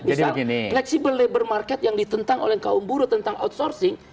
misal fleksibel labor market yang ditentang oleh kaum buruh tentang outsourcing